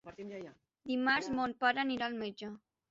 Dimarts mon pare anirà al metge.